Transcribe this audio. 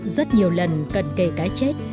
rất nhiều lần cận kề cái chết